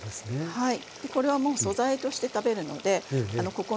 はい。